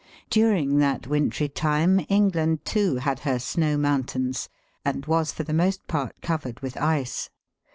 During that wintry time England, too, had her snow mountains, and was for the most part covered with ice.